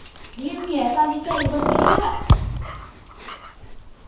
_ Dear me, I thought you said it was the cat!